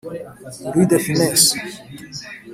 Louis de Funès